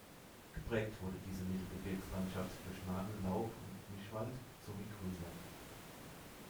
Geprägt wurde diese Mittelgebirgslandschaft durch Nadel-, Laub- und Mischwald sowie Grünland.